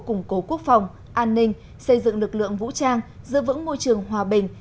củng cố quốc phòng an ninh xây dựng lực lượng vũ trang giữ vững môi trường hòa bình